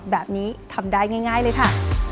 แบบนี้ทำได้ง่ายเลยค่ะ